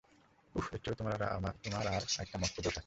উঃ, ওর চেয়েও তোমার আর-একটা মস্ত দোষ আছে।